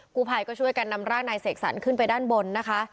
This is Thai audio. กู้ภัยก็ช่วยกันนำร่างนายเสกสรรขึ้นไปด้านบนนะคะ